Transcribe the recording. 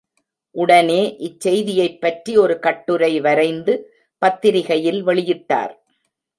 உடனே இச் செய்தியைப்பற்றி ஒரு கட்டுரை வரைந்து, பத்திரிகையில் வெளியிட்டார்.